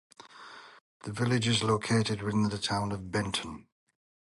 The village is located within the Town of Benton.